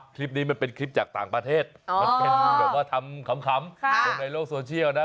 คลิปนี้มันเป็นคลิปจากต่างประเทศทำขำในโลกโซเชียลนะ